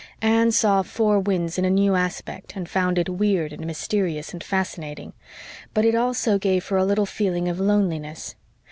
Anne saw Four Winds in a new aspect, and found it weird and mysterious and fascinating; but it also gave her a little feeling of loneliness.